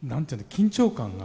緊張感が。